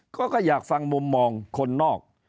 เขาก็อยากฟังมุมมองคนนอก